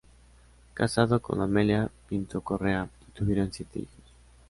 Casado con "Amelia Pinto Correa", y tuvieron siete hijos.